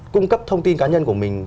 cung cấp thông tin cá nhân của mình